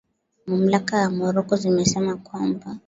Mamlaka za Morocco zimesema kwamba